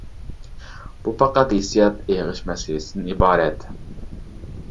بۇ پەقەت ھېسسىيات ئېغىش مەسىلىسىدىن ئىبارەت.